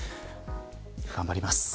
頑張ります。